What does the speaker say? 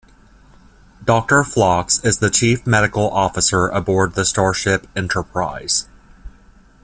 Doctor Phlox is the chief medical officer aboard the starship "Enterprise".